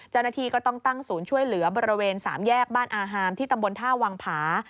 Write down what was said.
เจ้าหน้าที่ก็ต้องตั้งศูนย์ช่วยเหลือบริเวณ๓แยกบ้านอาฮามที่ตำบลท่าวังผา